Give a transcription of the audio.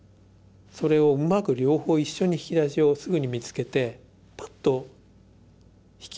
それをうまく両方一緒に引き出しをすぐに見つけてぱっと引き合わせることができる。